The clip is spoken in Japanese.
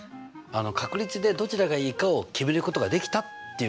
確率でどちらがいいかを決めることができたっていうことだよね。